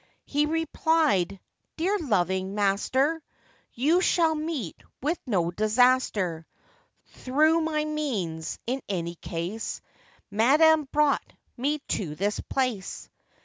He replied, 'Dear loving master, You shall meet with no disaster Through my means, in any case,— Madam brought me to this place.